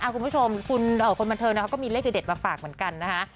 คุณผู้ชมคนบันเทิงเขาก็มีเลขเด็ดมาฝากเหมือนกันนะคะ